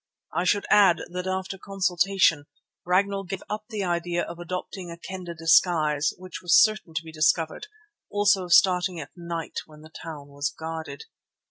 I should add that after consultation, Ragnall gave up the idea of adopting a Kendah disguise which was certain to be discovered, also of starting at night when the town was guarded.